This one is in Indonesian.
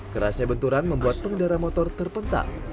kerasnya benturan membuat pengendara motor terpental